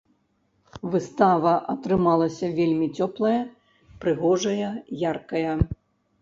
Выстава атрымалася вельмі цёплая, прыгожая яркая.